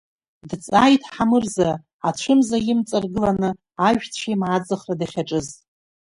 Дҵааит Ҳамырза, ацәымза имҵаргыланы, ажәҵәеимаа аӡахра дахьаҿыз.